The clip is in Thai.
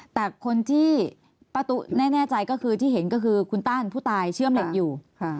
แต่คนที่ป้าตุ๊แน่ใจก็คือที่เห็นก็คือคุณต้านผู้ตายเชื่อมเหล็กอยู่